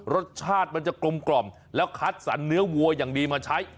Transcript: รสชาติมันจะกลมแล้วคัดสรรเนื้อวัวอย่างดีมาใช้